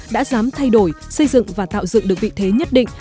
đã dám thay đổi xây dựng và tạo dựng được vị thế nhất định